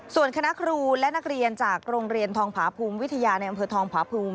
ส่วนคณะครูและนักเรียนจากโรงเรียนทองผาภูมิวิทยาในอำเภอทองผาภูมิ